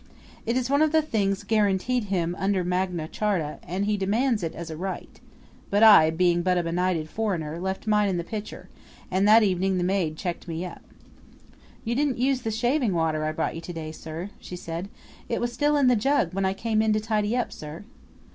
It is one of the things guaranteed him under Magna Charta and he demands it as a right; but I, being but a benighted foreigner, left mine in the pitcher, and that evening the maid checked me up. "You didn't use the shaving water I brought you to day, sir!" she said. "It was still in the jug when I came in to tidy up, sir."